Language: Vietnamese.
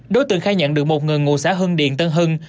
đối tượng khai nhận được một người ngụ xã hưng điền tân hưng